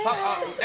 え？